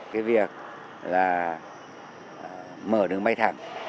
cái việc là mở đường bay thẳng